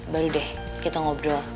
baru deh kita ngobrol